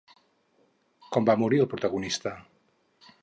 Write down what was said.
Com va morir el protagonista?